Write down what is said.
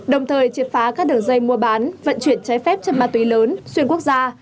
đồng thời triệt phá các đường dây mua bán vận chuyển trái phép chân ma túy lớn xuyên quốc gia